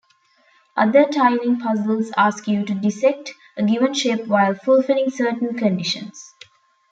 Other tiling puzzles ask you to dissect a given shape while fulfilling certain conditions.